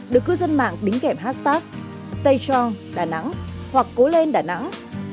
được cư dân mạng đính kèm hashtag stay strong đà nẵng hoặc cố lên đà nẵng